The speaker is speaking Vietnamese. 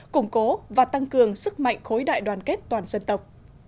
củng cố và tăng cường sức mạnh khối đại đoàn kết toàn dân tộc